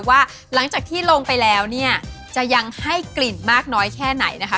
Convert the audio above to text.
ว่าหลังจากที่ลงไปแล้วเนี่ยจะยังให้กลิ่นมากน้อยแค่ไหนนะคะ